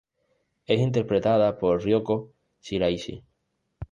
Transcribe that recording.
Es interpretada por Ryoko Shiraishi.